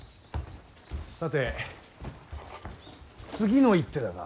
さて次の一手だが。